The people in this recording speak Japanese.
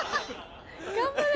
頑張れ。